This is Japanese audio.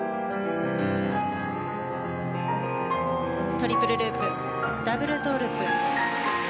トリプルループダブルトゥループ。